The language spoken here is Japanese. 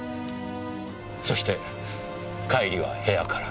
そして帰りは部屋から。